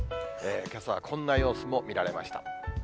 けさはこんな様子も見られました。